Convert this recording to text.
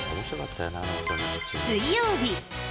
水曜日。